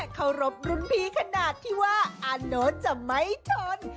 เคารพรุ่นพี่ขนาดที่ว่าอาโน้ตจะไม่ทน